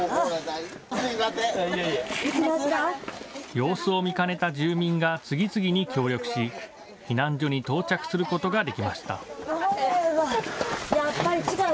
様子を見かねた住民が次々に協力し、避難所に到着することができました。